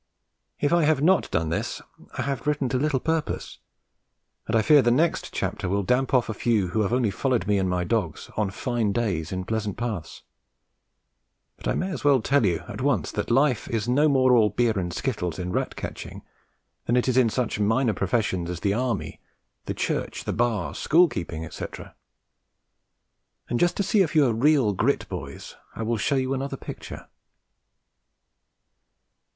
If I have not done this I have written to little purpose, and I fear the next chapter will damp off a few who have only followed me and my dogs on fine days in pleasant paths; but I may as well tell you at once that life is no more all beer and skittles in rat catching than it is in such minor professions as the Army, the Church, the Bar, school keeping, etc.; and just to see if you are "real grit," boys, I will show you another picture.